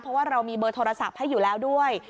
เพราะว่าเรามีเบอร์โทรศัพท์ให้อยู่แล้วด้วย